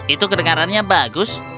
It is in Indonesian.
itu kedengarannya bagus